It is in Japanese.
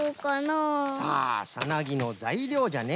ああサナギのざいりょうじゃね。